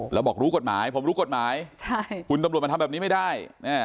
แล้วบอกรู้กฎหมายผมรู้กฎหมายคุณตำรวจมาทำแบบนี้ไม่ได้